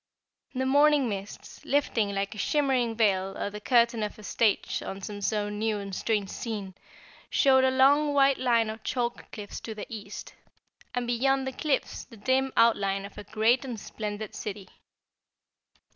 The morning mists, lifting like a shimmering veil or the curtain of a stage on some new and strange scene, showed a long white line of chalk cliffs to the east, and beyond the cliffs the dim outline of a great and splendid city.